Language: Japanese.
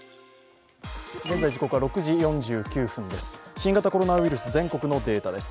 新型コロナウイルス、全国のデータです。